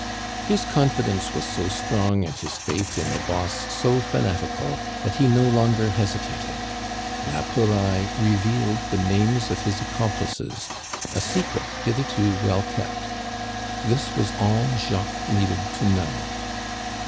His confidence was so strong, and his faith in the boss so fanatical, that he no longer hesitated. La Pouraille revealed the names of his accomplices, a secret hitherto well kept. This was all Jacques needed to know.